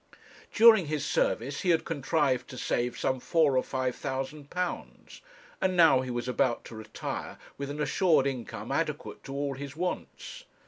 During his service he had contrived to save some four or five thousand pounds, and now he was about to retire with an assured income adequate to all his wants.